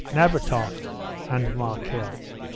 NABATOFF AND MARKEL.